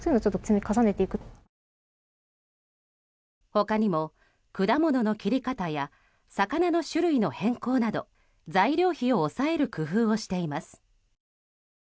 他にも果物の切り方や魚の種類の変更など材料費を抑える工夫をしています。